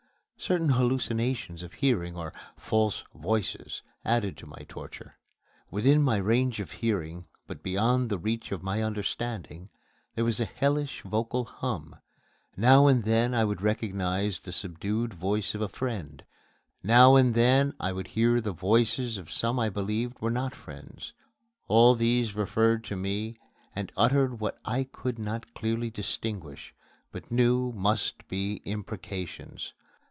Certain hallucinations of hearing, or "false voices," added to my torture. Within my range of hearing, but beyond the reach of my understanding, there was a hellish vocal hum. Now and then I would recognize the subdued voice of a friend; now and then I would hear the voices of some I believed were not friends. All these referred to me and uttered what I could not clearly distinguish, but knew must be imprecations.